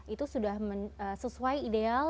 itu sudah sesuai ideal